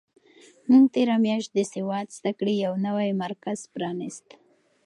موږ تېره میاشت د سواد زده کړې یو نوی مرکز پرانیست.